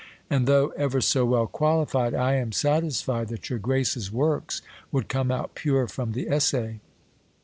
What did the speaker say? And though ever so well qualified, I am satisfied that your grace's works would come out pure from the essay.